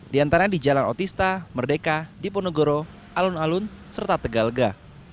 diantaranya di jalan otista merdeka diponegoro alun alun serta tegalga